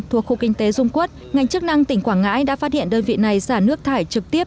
thuộc khu kinh tế dung quốc ngành chức năng tỉnh quảng ngãi đã phát hiện đơn vị này xả nước thải trực tiếp